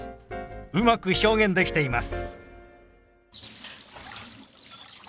うまく表現できています。